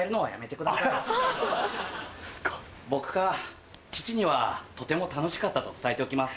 僕が父にはとても楽しかったと伝えておきます。